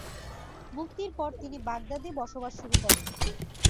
মুক্তির পর তিনি বাগদাদে বসবাস শুরু করেন।